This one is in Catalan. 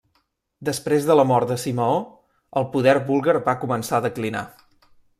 Després de la mort de Simeó el poder búlgar va començar a declinar.